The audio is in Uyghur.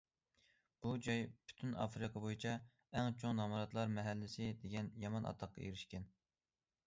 بۇ جاي پۈتۈن ئافرىقا بويىچە ئەڭ چوڭ نامراتلار مەھەللىسى دېگەن يامان ئاتاققا ئېرىشكەن.